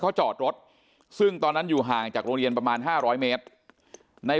เขาจอดรถซึ่งตอนนั้นอยู่ห่างจากโรงเรียนประมาณ๕๐๐เมตรใน